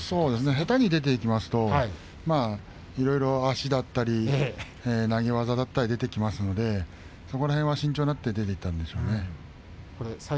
下手に出ていくと足だったり投げ技だったり出てきますのでそこら辺は慎重になって出ていったんでしょうね。